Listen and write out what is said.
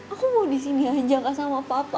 aku mau di sini aja gak sama papa